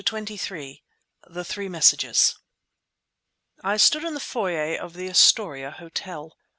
CHAPTER XXIII THE THREE MESSAGES I stood in the foyer of the Astoria Hotel.